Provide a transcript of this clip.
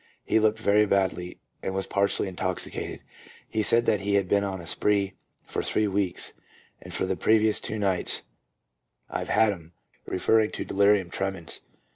He looked very badly, and was partially intoxicated. He said that he had been on a spree for three weeks, and for the previous two nights " I've had 'em," referring to delirium tremens.